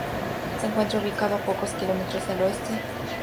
Se encuentra ubicado a pocos kilómetros al oeste de la frontera con Polonia.